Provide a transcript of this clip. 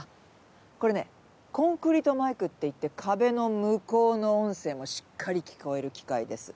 これねコンクリートマイクっていって壁の向こうの音声もしっかり聞こえる機械です。